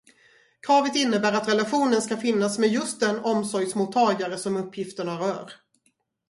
Kravet innebär att relationen ska finnas med just den omsorgsmottagare som uppgifterna rör.